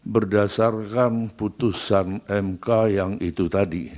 berdasarkan putusan mk yang itu tadi